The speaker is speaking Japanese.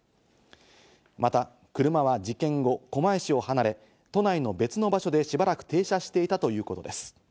また車は事件後、狛江市を離れ、都内の別の場所でしばらく停車していたということです。